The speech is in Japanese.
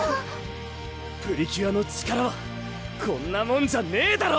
プリキュアの力はこんなもんじゃねぇだろ